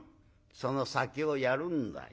その先をやるんだよ。